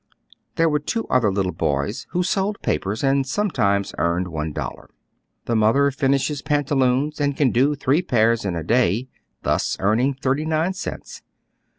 There were two other little boys who sold papers and sometimes earned one dollar. The mother finishes pantaloons and can do tliree pairs in a day, thus earning thirty nine cents.